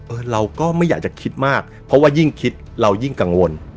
เราก็ไม่อยากจะคิดมากเพราะว่ายิ่งคิดเรายิ่งกังวล